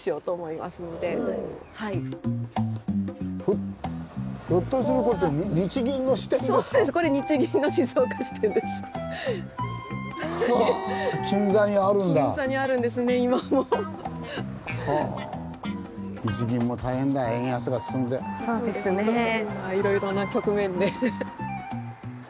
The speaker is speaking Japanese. まあいろいろな局面で。